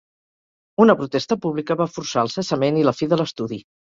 Una protesta pública va forçar el cessament i la fi de l'estudi.